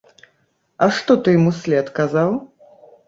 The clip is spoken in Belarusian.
А што ты ім услед казаў?